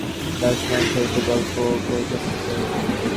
দাদামহাশয়ের সহিত গল্প করিতেছ!